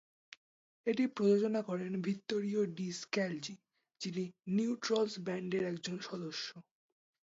এটি প্রযোজনা করেন ভিত্তোরিও ডি স্ক্যালজি, যিনি নিউ ট্রলস ব্যান্ডের একজন সদস্য।